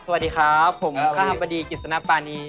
สวัสดีครับผมคาบดีกฤษณปานี